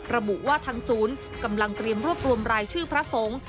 ระบุว่าทางศูนย์กำลังเตรียมรวบรวมรายชื่อพระสงฆ์